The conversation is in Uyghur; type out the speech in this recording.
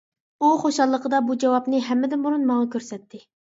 ئۇ خۇشاللىقىدا بۇ جاۋابنى ھەممىدىن بۇرۇن ماڭا كۆرسەتتى.